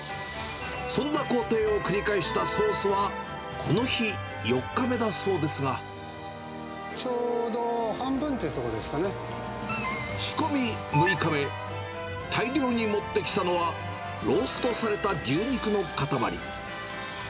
そんな工程を繰り返したソースは、この日、ちょうど半分ってとこですか仕込み６日目、大量に持ってきたのは、ローストされた牛肉の塊。